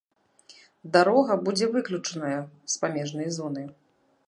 Дарога будзе выключаная з памежнай зоны.